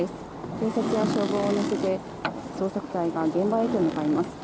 警察や消防を乗せて捜索隊が現場へと向かいます。